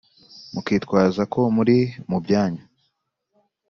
mukitwaza ko muri mu byanyu